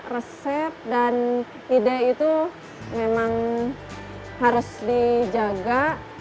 resep dan ide itu memang harus dijaga